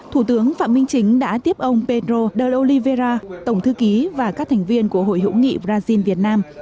thủ tướng phạm minh chính đã tiếp ông pedro delo lyvera tổng thư ký và các thành viên của hội hữu nghị brazil việt nam